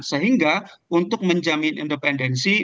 sehingga untuk menjamin independensi